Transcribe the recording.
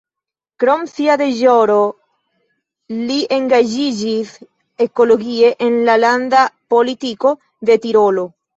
Krom sia deĵoro li engaĝiĝis ekologie en la landa politiko de Tirolo.